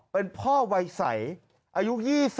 เป็นพ่อวัยใสอายุ๒๐